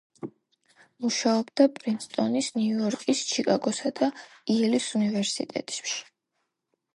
მუშაობდა პრინსტონის, ნიუ-იორკის, ჩიკაგოსა და იელის უნივერსიტეტებში.